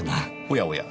おやおや